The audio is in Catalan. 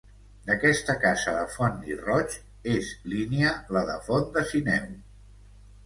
D'aquesta casa de Font i Roig és línia la de Font de Sineu.